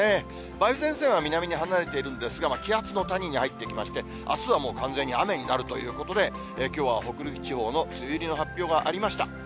梅雨前線は南に離れているんですが、気圧の谷に入ってきまして、あすはもう完全に雨になるということで、きょうは、北陸地方の梅雨入りの発表がありました。